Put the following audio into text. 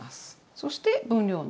そして分量のお塩。